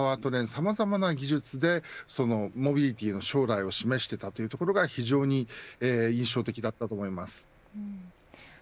さまざまな技術でモビリティの将来を示していたというのが非常に印象的でした。